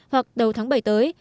hoặc đầu tháng bảy tới